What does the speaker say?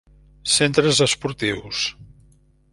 Centres esportius.